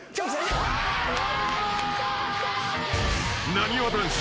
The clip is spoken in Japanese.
［なにわ男子。